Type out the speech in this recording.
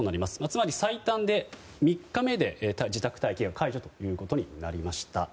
つまり最短で３日目で自宅待機が解除ということになりました。